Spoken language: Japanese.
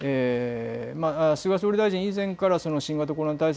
菅総理大臣、以前から新型コロナ対策